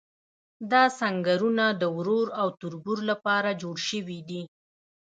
دا سنګرونه د ورور او تربور لپاره جوړ شوي دي.